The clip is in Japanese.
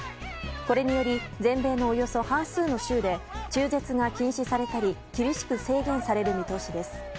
これにより全米のおよそ半数の州で中絶が禁止されたり厳しく制限される見通しです。